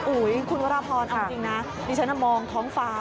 อุ๊ยคุณก็ร่าพรจริงนะดิฉันมองท้องฟ้า